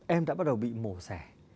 em đã bắt đầu bị mổ sẻ